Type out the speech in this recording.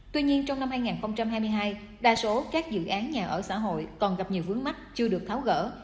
tuy nhiên trong năm hai nghìn hai mươi hai đa số các dự án nhà ở xã hội còn gặp nhiều vướng mắt chưa được tháo gỡ